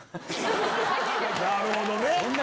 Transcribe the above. なるほどね。